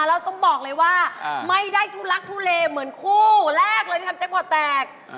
แล้วต้องบอกเลยว่าไม่ได้ทุลักทุเลเหมือนคู่แรกเลยที่ทำแจ็คพอร์ตแตก